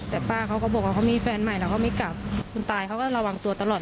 แต่ป้าเขาก็บอกว่าเขามีแฟนใหม่แล้วเขาไม่กลับคุณตายเขาก็ระวังตัวตลอด